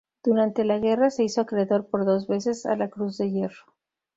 Durante la guerra se hizo acreedor por dos veces a la Cruz de Hierro.